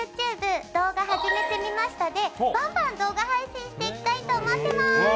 「動画、はじめてみました」でバンバン、動画配信していきたいと思ってます！